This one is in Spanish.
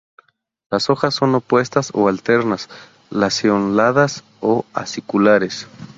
Las hojas son opuestas o alternas, lanceoladas a aciculares.